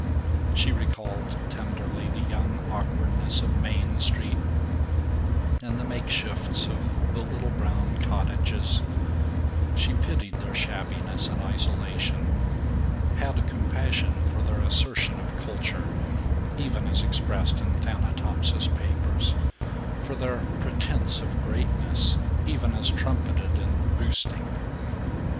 She recalled tenderly the young awkwardness of Main Street and the makeshifts of the little brown cottages; she pitied their shabbiness and isolation; had compassion for their assertion of culture, even as expressed in Thanatopsis papers, for their pretense of greatness, even as trumpeted in "boosting."